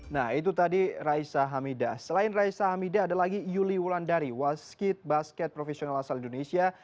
nah itu tadi raisa hamidah selain raisa hamida ada lagi yuli wulandari waskit basket profesional asal indonesia